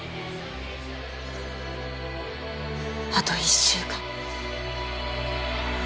あと１週間。